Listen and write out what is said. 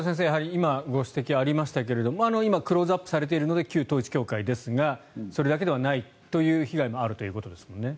今、ご指摘がありましたが今クローズアップされているので旧統一教会ですがそれだけではないという被害もあるということですもんね。